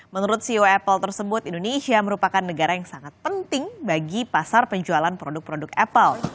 menurut ceo apple tersebut indonesia merupakan negara yang sangat penting bagi pasar penjualan produk produk apple